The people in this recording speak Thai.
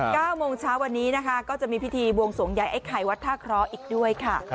เก้าโมงเช้าวันนี้นะคะก็จะมีพิธีบวงสวงใหญ่ไอ้ไข่วัดท่าเคราะห์อีกด้วยค่ะ